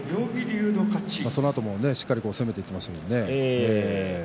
そのあともしっかり攻めていきましたね。